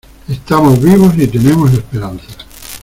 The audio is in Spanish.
estamos vivos y tenemos esperanza.